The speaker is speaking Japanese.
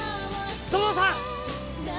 土門さん！